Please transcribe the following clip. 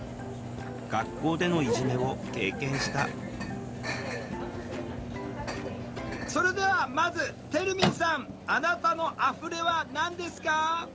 学校でのいじめを経験したそれではまずてるみんさんあなたの「あふれ」は何ですか？